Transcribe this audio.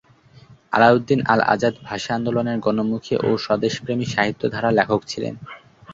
আলাউদ্দিন আল আজাদ ভাষা আন্দোলনের গণমুখী ও স্বদেশপ্রেমী সাহিত্যধারার লেখক ছিলেন।